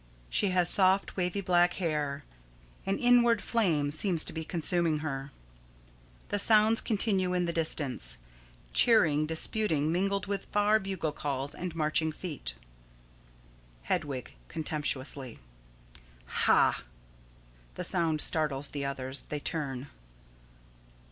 She has soft, wavy black hair. An inward flame seems to be consuming her. The sounds continue in the distance, cheering, disputing mingled with far bugle calls and marching feet._] Hedwig: [Contemptuously.] Ha! [_The sound startles the others. They turn.